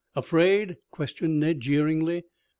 "Afraid?" questioned Ned jeeringly.